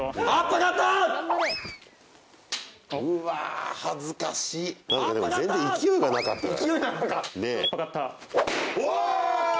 あっ！